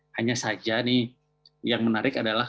hanya saja nih yang menarik adalah